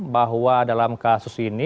bahwa dalam kasus ini